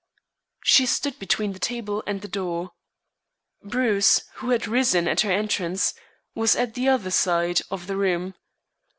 She stood between the table and the door. Bruce, who had risen at her entrance, was at the other side of the room.